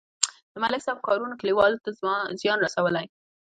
د ملک صاحب کارونو کلیوالو ته زیان رسولی.